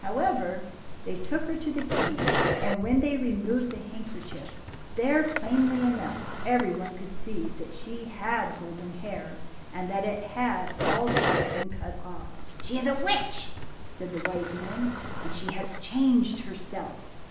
However, they took her to the king, and when they removed the handkerchief, there, plainly enough, every one could see that she had had golden hair, and that it had all just been cut off. She is a witch," said the wise men, and has changed herself."